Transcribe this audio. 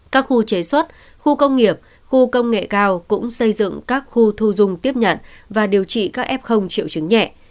các khu chế xuất khu công nghiệp khu công nghệ cao cũng xây dựng các khu thu dung tiếp nhận và điều trị các f triệu chứng nhẹ